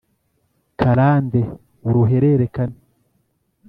karande: uruhererekane